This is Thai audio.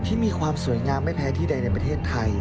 ที่มีความสวยงามไม่แพ้ที่ใดในประเทศไทย